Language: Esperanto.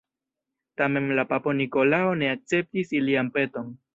Tamen la papo Nikolao ne akceptis ilian peton.